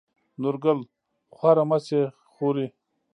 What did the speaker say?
نورګل: خواره مه شې خورې.